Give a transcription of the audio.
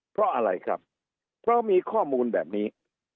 เพราะอะไรครับเพราะมีข้อมูลแบบนี้